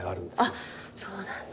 あそうなんだ。